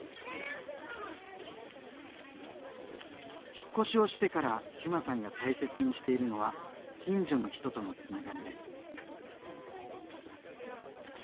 引っ越しをしてから志麻さんが大切にしているのは近所の人とのつながりです。